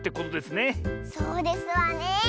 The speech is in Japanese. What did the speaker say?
そうですわね！